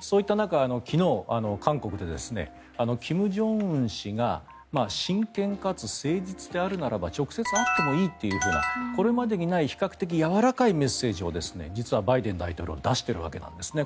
そういった中、昨日、韓国で金正恩氏が真剣かつ誠実であるならば直接会ってもいいというようなこれまでにない比較的やわらかいメッセージを実はバイデン大統領は出しているわけなんですね。